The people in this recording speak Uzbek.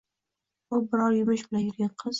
U biror yumush bilan yurgan qiz